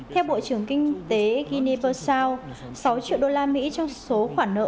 theo bộ trưởng kinh tế guinea bursao sáu triệu đô la mỹ trong số khoản nợ